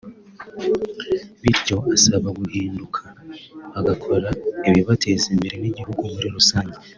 bityo abasaba guhinduka bagakora ibibateza imbere n’igihugu muri rusange